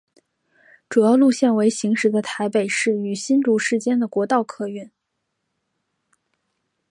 主要路线为行驶在台北市与新竹市间的国道客运。